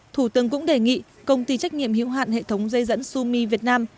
thủ tướng cũng đề nghị công ty trách nhiệm hữu hạn hệ thống dây dẫn sumi việt nam